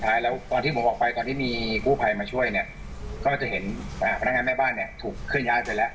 แล้วตอนที่ผมออกไปตอนที่มีกู้ภัยมาช่วยเนี่ยก็จะเห็นพนักงานแม่บ้านเนี่ยถูกเคลื่อย้ายไปแล้ว